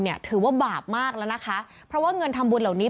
ถือว่าบาปมากแล้วนะคะเพราะว่าเงินทำบุญเหล่านี้